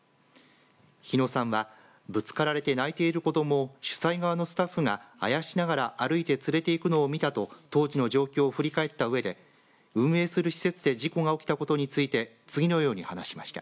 日野さんはぶつかられて泣いている子どもを主催側のスタッフがあやしながら歩いて連れて行くのを見たと当時の状況を振り返ったうえで運営する施設で事故が起きたことについて次のように話しました。